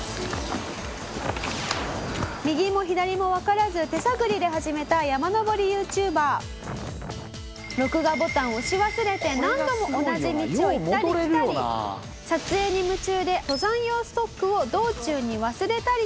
「右も左もわからず手探りで始めた山登りＹｏｕＴｕｂｅｒ」「録画ボタンを押し忘れて何度も同じ道を行ったり来たり撮影に夢中で登山用ストックを道中に忘れたりと」